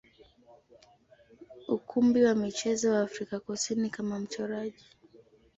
ukumbi wa michezo wa Afrika Kusini kama mchoraji.